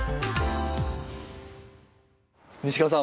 西川さん